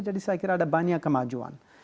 jadi saya kira ada banyak kemajuan